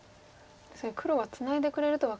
確かに黒はツナいでくれるとはかぎらない。